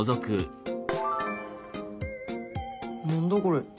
何だこれ？